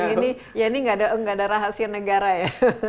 jadi yang ini nggak ada rahasia negara ya